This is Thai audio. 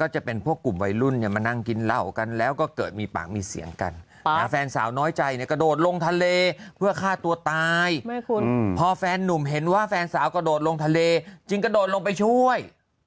ก็จะเป็นพวกกลุ่มวัยรุ่นมานั่งกินเหล้ากันแล้วก็เกิดมีปากมีเสียงกันแฟนสาวน้อยใจกระโดดลงทะเลเพื่อฆ่าตัวตายพอแฟนนุ่มเห็นว่าแฟนสาวกระโดดลงทะเลจึงกระโดดลงไปช่วย